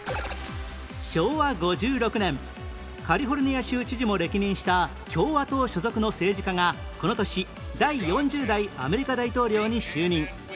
昭和５６年カリフォルニア州知事も歴任した共和党所属の政治家がこの年第４０代アメリカ大統領に就任